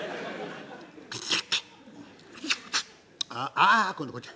ああっ今度はこっちだ！